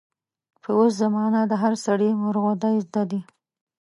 په اوس زمانه د هر سړي مورغودۍ زده دي.